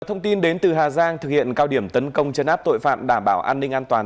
thông tin đến từ hà giang thực hiện cao điểm tấn công chấn áp tội phạm đảm bảo an ninh an toàn